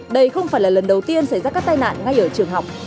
đây không phải là lần đầu tiên xảy ra các tai nạn ngay ở trường học